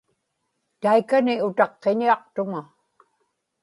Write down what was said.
taikani utaqqiñiaqtuŋa